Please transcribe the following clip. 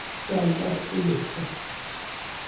جایگشت یکه